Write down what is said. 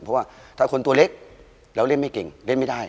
เพราะว่าถ้าคนตัวเล็กแล้วเล่นไม่เก่งเล่นไม่ได้